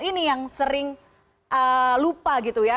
ini yang sering lupa gitu ya